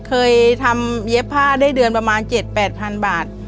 เคยทำเย็บผ้าได้เดือนประมาณ๗๘๐๐๐บาท